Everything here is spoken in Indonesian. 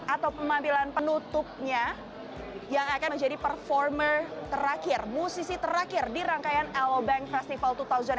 atau penutupnya yang akan menjadi performer terakhir musisi terakhir di rangkaian aloe bank festival dua ribu dua puluh dua